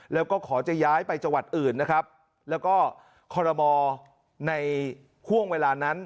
แล้วก็ขอจะย้ายไปจังหวัดอื่นนะครับแล้วก็คอรมอในห่วงเวลานั้น